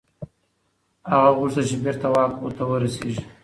هغه غوښتل چي بیرته واک ته ورسیږي.